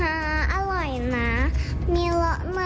อ่าอ่าอ่าอ่าอ่าลีล่าอัดมิซูพี่พี่